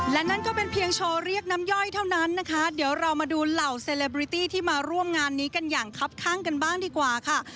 และนั่นก็เป็นเพียงโชว์เรียกน้ำย่อยเท่านั้นนะคะเดี๋ยวเรามาดูเหล่าเซลบริตี้ที่มาร่วมงานนี้กันอย่างคับข้างกันบ้างดีกว่าค่ะ